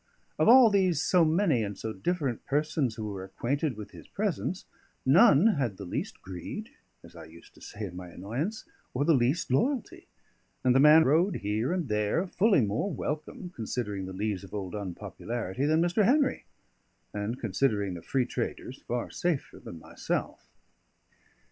Of all those so many and so different persons who were acquainted with his presence, none had the least greed as I used to say in my annoyance or the least loyalty; and the man rode here and there fully more welcome, considering the lees of old unpopularity, than Mr. Henry and, considering the free traders, far safer than myself.